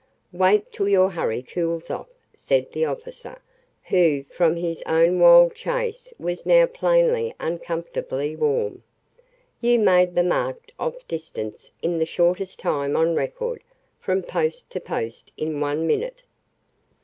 "Wait till your hurry cools off," said the officer, who from his own wild chase was now plainly uncomfortably warm. "You made the marked off distance in the shortest time on record, from post to post in one minute."